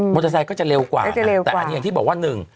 เตอร์ไซค์ก็จะเร็วกว่าจะเร็วแต่อันนี้อย่างที่บอกว่าหนึ่ง